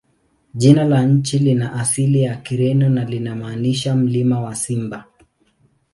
Jina la nchi lina asili ya Kireno na linamaanisha "Mlima wa Simba".